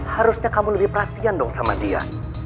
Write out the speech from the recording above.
harusnya kamu lebih perhatian dong sama dia